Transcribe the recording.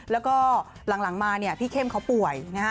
แล้วก็หลังมาเนี่ยพี่เข้มเขาป่วยนะฮะ